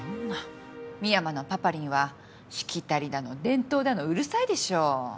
深山のパパリンはしきたりだの伝統だのうるさいでしょう。